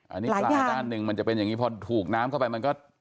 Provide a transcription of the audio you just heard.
อันนี้ปลาด้านหนึ่งมันจะเป็นอย่างนี้พอถูกน้ำเข้าไปมันก็